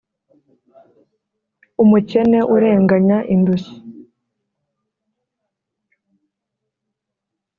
umukene urenganya indushyi